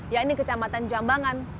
yakni kecamatan jambangan